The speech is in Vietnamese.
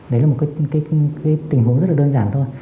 đấy là một tình huống rất đơn giản thôi